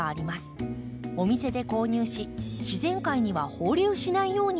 お店で購入し自然界には放流しないようにしましょう。